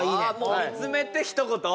もう見つめてひと言？